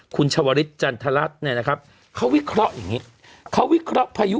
คุณชวริสจันทรัศนเนี่ยนะครับเขาวิเคราะห์อย่างนี้เขาวิเคราะห์พายุ